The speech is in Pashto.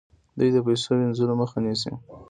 دوی د پیسو وینځلو مخه نیسي.